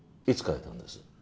いつ変えたんです？